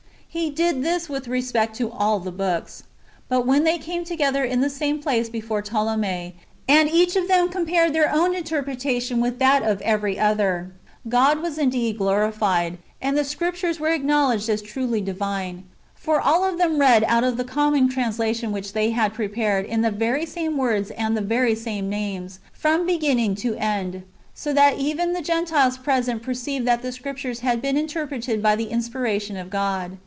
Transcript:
He did this Avith respect to all the books. But when they came together in the same place before Ptolemy, and each of them compared his own interpretation with that of every other, God was indeed glorified, and the Scriptures were acknowledged as truly divine. For all of them read out the common translation [which they had prepared] in the very same words and the very same names, from beginning to end, so that even the Gentiles present perceived that the Scriptures had been interpreted by the inspiration of God.